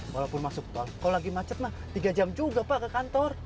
walaupun masuk tol kalau lagi macet mah tiga jam juga pak ke kantor